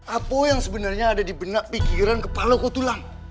apa yang sebenarnya ada di benak pikiran kepala kau itu lam